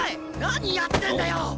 何やってんだよ！